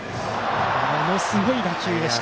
ものすごい打球でした。